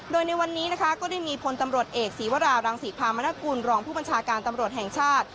โดยในวันนี้นะคะก็ได้มีพลตำรวจเอกศีวรารังศรีพามนกุลรองผู้บัญชาการตำรวจแห่งชาติ